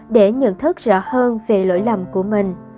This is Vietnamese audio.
để nhận thức rõ hơn về lỗi lầm của mình